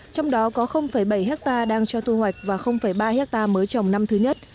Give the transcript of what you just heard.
trong đó có bảy hectare đang cho thu hoạch và ba hectare mới trồng năm thứ nhất